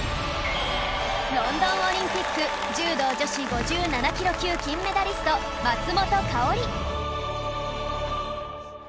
ロンドンオリンピック柔道女子５７キロ級金メダリスト松本薫